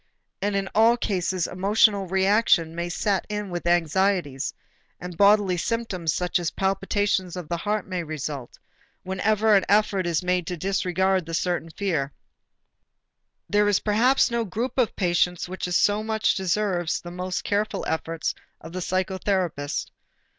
And in all cases emotional reaction may set in with anxieties, and bodily symptoms such as palpitation of the heart may result, whenever an effort is made to disregard the nervous fear. There is perhaps no group of patients which so much deserves the most careful efforts of the psychotherapist.